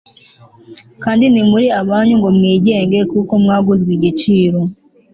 Kandi ntimuri abanyu ngo mwigenge kuko mwaguzwe igiciro